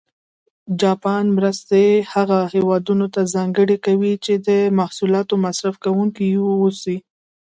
جاپان مرستې هغه هېوادونه ته ځانګړې کوي چې د محصولاتو مصرف کوونکي و اوسي.